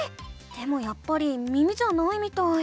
でもやっぱり耳じゃないみたい。